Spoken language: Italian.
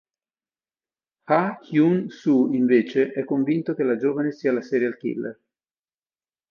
Ha Hyun-Su invece è convinto che la giovane sia la serial killer.